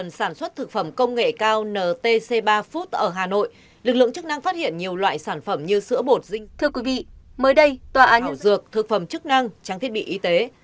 công ty cổ phần sản xuất thực phẩm công nghệ cao ntc ba food ở hà nội lực lượng chức năng phát hiện nhiều loại sản phẩm như sữa bột dinh dịch thảo dược thực phẩm chức năng trang thiết bị y tế